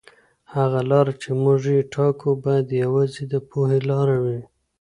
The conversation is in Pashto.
هغه لاره چې موږ یې ټاکو باید یوازې د پوهې لاره وي.